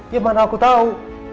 ya mana aku tau